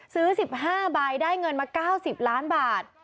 ซื้อ๑๕ใบได้เงินมา๙๐ล้านบาท